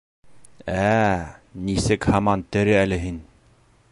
Ә-ә... нисек һаман тере әле һин?